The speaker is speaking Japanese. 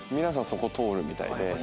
皆さんそこ通るみたいで。